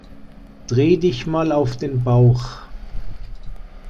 Dreh dich mal auf den Bauch.